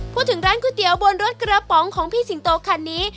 พูดถึงร้านก๋วยเตี๋ยวบนรถกระป๋องของพี่สิงโตคันนี้